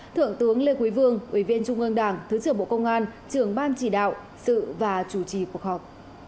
thượng tướng lê quý vương ủy viên trung ương đảng thứ trưởng bộ công an trưởng ban chỉ đạo sự và chủ trì cuộc họp